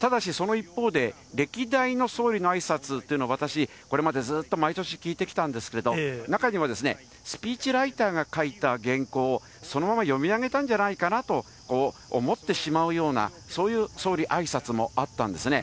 ただし、その一方で、歴代の総理のあいさつというの、私、これまでずっと毎年、聞いてきたんですけれども、中には、スピーチライターが書いた原稿を、そのまま読み上げたんじゃないかなと思ってしまうような、そういう総理あいさつもあったんですね。